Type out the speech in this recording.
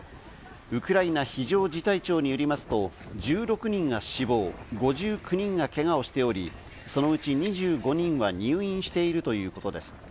ウクライナ非常事態庁によりますと、１６人が死亡、５９人がけがをしており、そのうち２５人は入院しているということです。